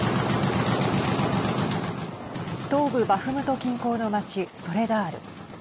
東部バフムト近郊の町ソレダール。